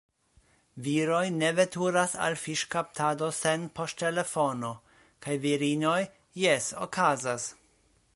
Viroj ne veturas al fiŝkaptado sen poŝtelefono, kaj virinoj – jes, okazas!